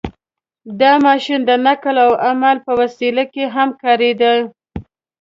• دا ماشین د نقل او حمل په وسایلو کې هم کارېده.